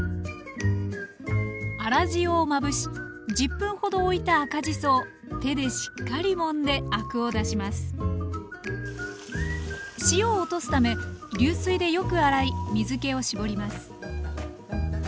粗塩をまぶし１０分ほどおいた赤じそを手でしっかりもんでアクを出します塩を落とすため流水でよく洗い水けを絞ります